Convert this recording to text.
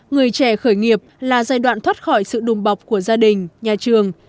người trẻ khởi nghiệp là giai đoạn thoát khỏi sự đùm bọc của gia đình nhà trường